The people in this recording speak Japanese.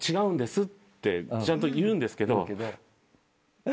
ちゃんと言うんですけど。